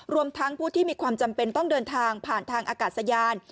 รวมทั้งผู้ที่มีความจำเป็นต้องเดินทางผ่านทางอากาศยาน